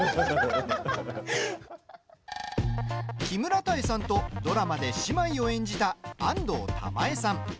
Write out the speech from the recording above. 木村多江さんとドラマで姉妹を演じた安藤玉恵さん。